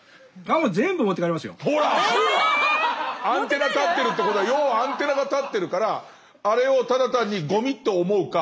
アンテナ立ってるってことは要はアンテナが立ってるからあれをただ単にゴミと思うか